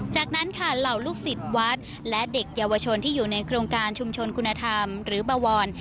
จากนั้นค่ะเหล่าลูกศิษย์วัดและเด็กเยาวชนที่อยู่ในโครงการชุมชนคุณธรรมหรือบวร